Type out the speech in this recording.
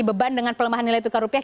beban dengan pelemahan nilai tukar rupiah